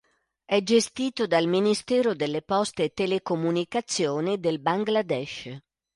È gestito dal Ministero delle Poste e telecomunicazioni del Bangladesh.